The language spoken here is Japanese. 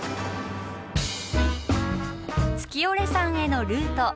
月居山へのルート。